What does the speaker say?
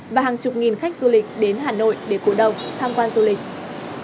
và hàng chục nghìn khách du lịch đến hà nội để cổ động tham quan du lịch